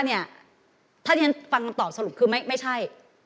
ถ้าที่ฉันฟังคำตอบสรุปคือไม่ใช่